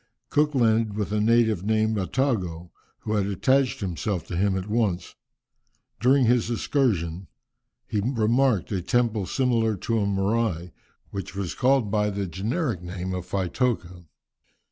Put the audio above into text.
Cook landed with a native named Attago, who had attached himself to him at once. During his excursion, he remarked a temple similar to a "morai," and which was called by the generic name of Faitoka.